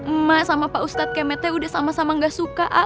emak sama pak ustadz kayak mete udah sama sama gak suka a